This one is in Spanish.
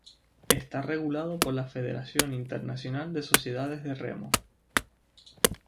Está regulado por la Federación Internacional de Sociedades de Remo.